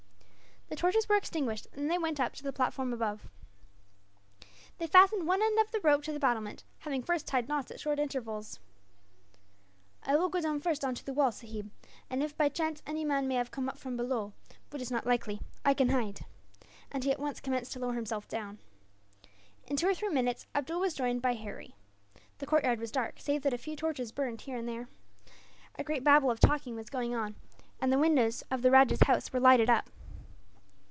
The torches were extinguished, and then they went up to the platform above. They fastened one end of the rope to the battlement, having first tied knots at short intervals. "I will go down first on to the wall, sahib; and if by chance any man may have come up from below, which is not likely, I can hide," and he at once commenced to lower himself down. In two or three minutes, Abdool was joined by Harry. The courtyard was dark, save that a few torches burned here and there. A great babble of talking was going on, and the windows of the rajah's house were lighted up.